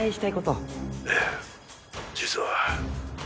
実は。